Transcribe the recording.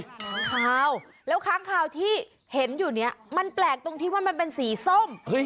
ค้างคาวแล้วค้างคาวที่เห็นอยู่เนี่ยมันแปลกตรงที่ว่ามันเป็นสีส้ม